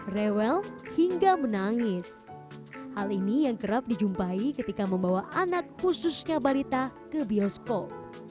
rewel hingga menangis hal ini yang kerap dijumpai ketika membawa anak khususnya balita ke bioskop